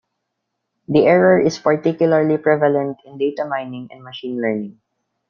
The error is particularly prevalent in data mining and machine learning.